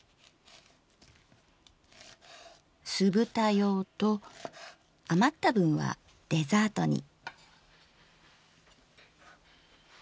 すぶた用と余った分はデザートに。